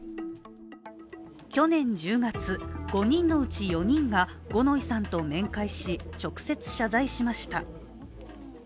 去年１０月、５人のうち４人が五ノ井さんと面会し、直接謝罪しました。